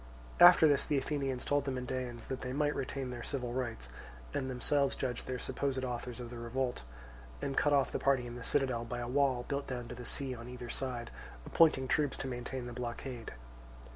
After this the Athenians told the Mendaeans that they might retain their civil rights, and themselves judge the supposed authors of the revolt; and cut off the party in the citadel by a wall built down to the sea on either side, appointing troops to maintain the blockade.